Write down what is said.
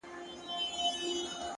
هره ناکامي د راتلونکې لارښوونه کوي,